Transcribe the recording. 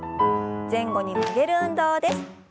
前後に曲げる運動です。